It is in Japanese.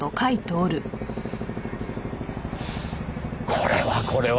これはこれは。